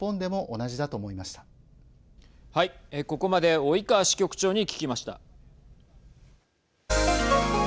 ここまで及川支局長に聞きました。